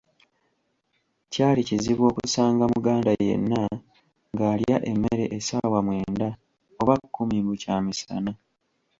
Kyali kizibu okusanga Muganda yenna ng'alya emmere essaawa mwenda oba kkumi mbu kyamisana !